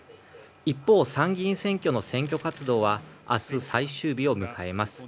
一方、参議院選挙の選挙活動は明日最終日を迎えます。